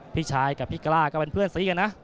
พี่ชายกับพี่กล้าก็เป็นเพื่อนซีกันนะ